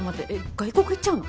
外国行っちゃうの？